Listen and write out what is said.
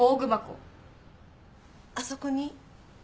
あそこに。